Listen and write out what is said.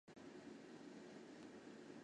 泰特美术馆。